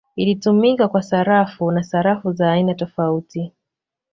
Ilitumika kwa sarafu na sarafu za aina tofauti.